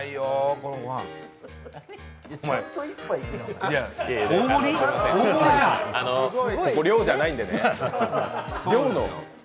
ここ寮じゃないんでね。